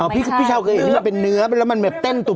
พี่ชาวคืออีกมันเป็นเนื้อแล้วมันแบบเต้นตุบ